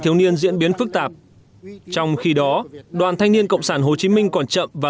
thiếu niên diễn biến phức tạp trong khi đó đoàn thanh niên cộng sản hồ chí minh còn chậm và